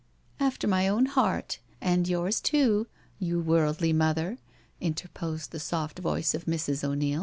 ...'* "After my own heart— and yours too, you worldly mother," interposed the soft voice of Mrs. 0*Neil.